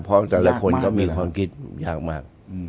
เพราะแต่ละคนก็มีความคิดยากมาก